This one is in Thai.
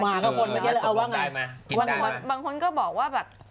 ตกลงใจไหม